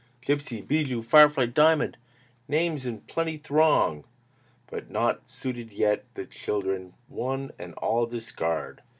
Gipsy, Bijou, Firefly, Diamond, Names in plenty throng. But, not suited yet, the children One and all discard.